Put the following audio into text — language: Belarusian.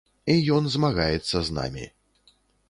І ён змагаецца з намі.